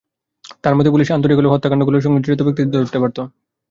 তাঁর মতে, পুলিশ আন্তরিক হলে হত্যাকাণ্ডগুলোর সঙ্গে জড়িত ব্যক্তিদের ধরতে পারত।